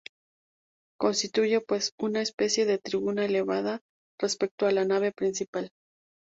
Constituye, pues, una especie de tribuna elevada respecto a la nave principal.